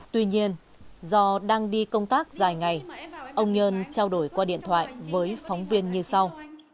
tuy nhiên do đang đi công tác dài ngày ông nhơn trao đổi qua điện thoại với phóng viên như sau